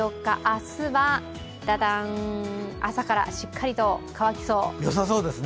明日は、ダダン、朝からしっかりと乾きそう。